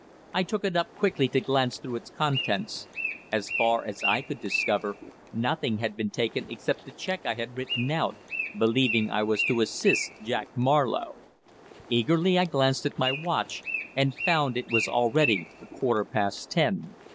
I took it up quickly to glance through its contents. As far as I could discover, nothing had been taken except the cheque I had written out, believing I was to assist Jack Marlowe. Eagerly I glanced at my watch, and found it was already a quarter past ten.